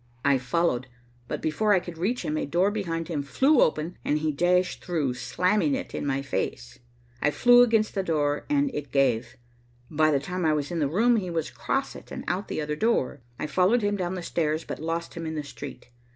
I followed, but before I could reach him, a door behind him flew open and he dashed through, slamming it in my face. I flew against the door and it gave. By the time I was in the room he was across it and out the other door. I followed him down the stairs but lost him in the street.